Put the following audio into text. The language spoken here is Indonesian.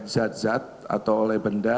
zat zat atau oleh benda